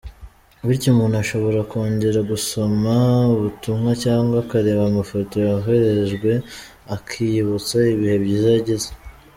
Bityo umuntu ashobora kongera gusoma ubutumwa cyangwa akareba amafoto yohererejwe akiyibutsa ibihe byiza yagize.